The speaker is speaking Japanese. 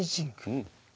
うん。